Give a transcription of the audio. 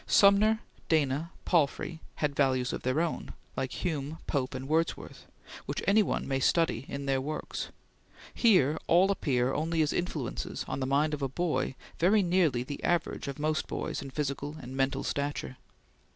Sumner, Dana, Palfrey, had values of their own, like Hume, Pope, and Wordsworth, which any one may study in their works; here all appear only as influences on the mind of a boy very nearly the average of most boys in physical and mental stature.